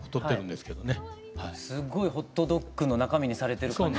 すごいホットドッグの中身にされてる感じ。